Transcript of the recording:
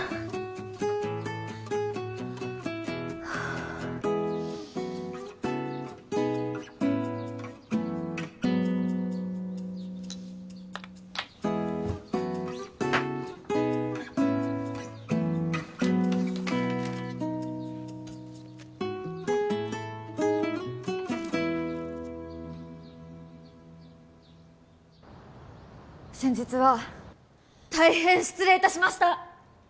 ああ先日は大変失礼いたしました！